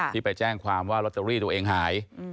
ไปแจ้งความว่าลอตเตอรี่ตัวเองหาย